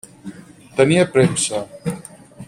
Tenia premsa.